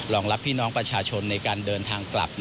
รองรับพี่น้องประชาชนในการเดินทางกลับ